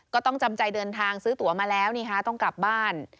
ก็ต้องจำใจเดินทางซื้อตัวมาแล้วต้องกลับบ้าน